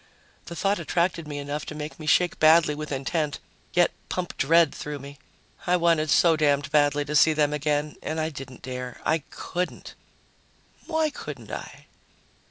The thought attracted me enough to make me shake badly with intent, yet pump dread through me. I wanted so damned badly to see them again and I didn't dare. I couldn't.... Why couldn't I?